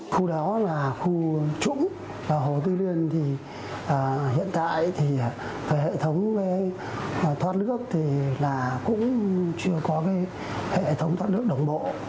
khu đó là khu trũng là hồ tư liên thì hiện tại thì hệ thống thoát nước thì là cũng chưa có cái hệ thống thoát nước đồng bộ